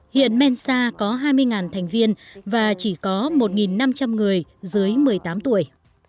hiện mensa có hai mươi thành viên và chỉ có một năm trăm linh người dưới một mươi tám tuổi